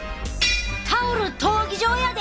タオル闘技場やで！